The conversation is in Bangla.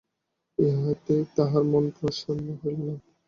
ইহাতে তাঁহার মন প্রসন্ন হইল না।